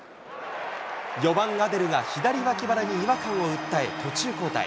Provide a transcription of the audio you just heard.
４番アデルが左わき腹に違和感を訴え、途中交代。